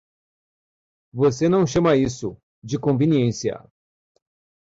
Você não chama isso de conveniência!